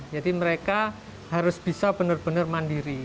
jadi mereka harus bisa benar benar mandiri